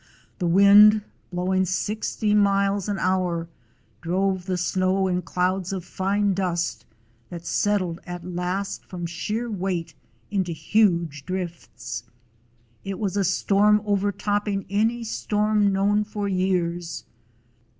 The wind, blowing sixty miles an 139 DOG HEROES OF MANY LANDS hour, drove the snow in clouds of fine dust that settled at last from sheer weight into huge drifts. It was a storm overtopping any storm known for years.